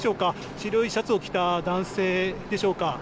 白いシャツを着た男性でしょうか。